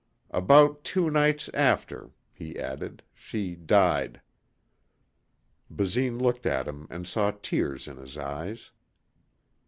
"About two nights after," he added, "she died." Basine looked at him and saw tears in his eyes.